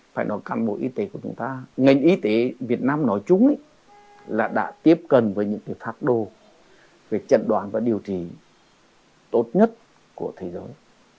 phải nói cán bộ y tế của chúng ta ngành y tế việt nam nói chung là đã tiếp cận với những phác đồ về trận đoán và điều trị tốt nhất của thế giới